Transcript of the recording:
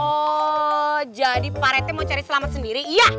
oh jadi pak reti mau cari selamat sendiri iya